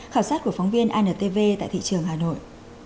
khảo sát của phóng viên antv tại thị trường hà nội